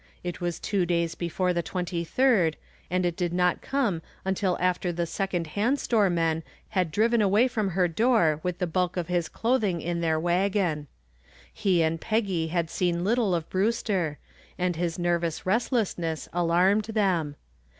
It was two days before the twenty third and it did not come until after the "second hand store" men had driven away from her door with the bulk of his clothing in their wagon. She and Peggy had seen little of Brewster, and his nervous restlessness alarmed them.